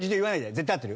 絶対合ってる？